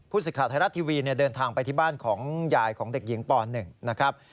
สิทธิ์ไทยรัฐทีวีเดินทางไปที่บ้านของยายของเด็กหญิงป๑นะครับ